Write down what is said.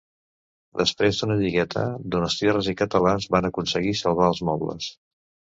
Després d'una lligueta, donostiarres i catalans van aconseguir salvar els mobles.